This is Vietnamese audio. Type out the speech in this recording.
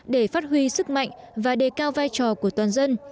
để phát huy sức mạnh và đề cao vai trò của toàn dân